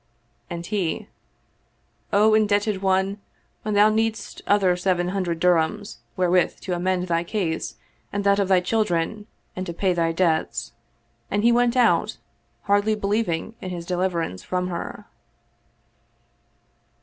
And he, " O indebted one, when thou needest other seven hundred dirhams, wherewith to amend thy case and that of thy children and to pay thy debts." And he went out, hardly believing in his deliverance from her.